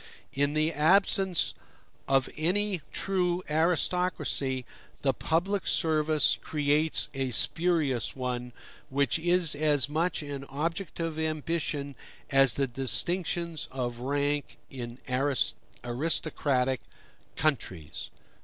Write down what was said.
In the absence of any true aristocracy, the public service creates a spurious one, which is as much an object of ambition as the distinctions of rank in aristocratic countries.